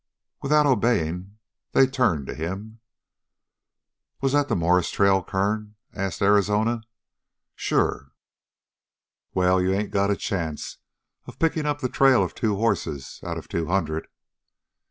Without obeying, they turned to him. "Was that the Morris trail, Kern?" asked Arizona. "Sure." "Well, you ain't got a chance of picking up the trail of two hosses out of two hundred."